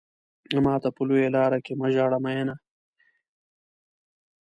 ماته په لويه لار کې مه ژاړه مينه.